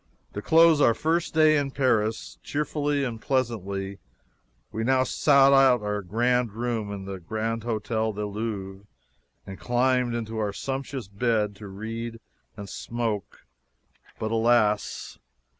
To close our first day in Paris cheerfully and pleasantly, we now sought our grand room in the Grand Hotel du Louvre and climbed into our sumptuous bed to read and smoke but alas!